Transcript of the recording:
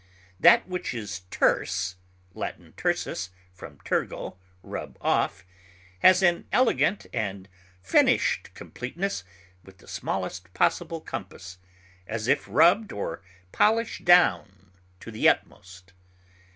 That which is terse (L. tersus, from tergo, rub off) has an elegant and finished completeness within the smallest possible compass, as if rubbed or polished down to the utmost.